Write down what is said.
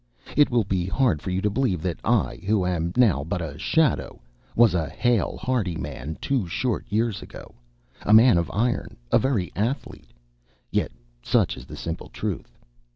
It will be hard for you to believe that I, who am now but a shadow, was a hale, hearty man two short years ago, a man of iron, a very athlete! yet such is the simple truth.